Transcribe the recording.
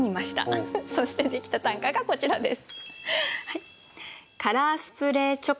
そしてできた短歌がこちらです。